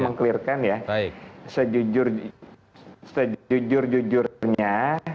meng clearkan ya sejujur jujurnya